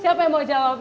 siapa yang mau jawab nih